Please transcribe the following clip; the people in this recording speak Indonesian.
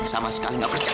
sama sekali ga percaya